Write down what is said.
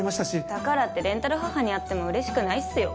だからってレンタル母に会っても嬉しくないっすよ。